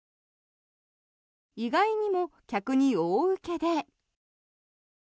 意外にも、客に大受けで。